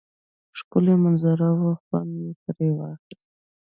ښکلی منظره وه خوند مو تری واخیست